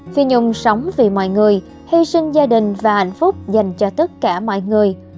phi nhung sống vì mọi người hy sinh gia đình và hạnh phúc dành cho tất cả mọi người